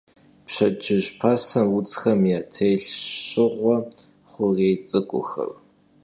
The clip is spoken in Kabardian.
Pşedcıj pasem vudzxem yatêlhş şığe xhurêy ts'ık'uxer.